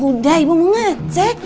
udah ibu mau ngecek